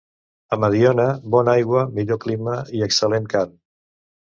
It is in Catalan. A Mediona, bona aigua, millor clima i excel·lent carn.